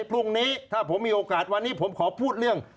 พรุ่งนี้ถ้าผมมีโอกาสวันนี้ผมขอพูดเรื่อง